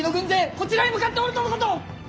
こちらへ向かっておるとのこと！